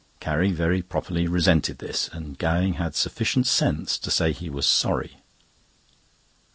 Carrie very properly resented this, and Gowing had sufficient sense to say he was sorry.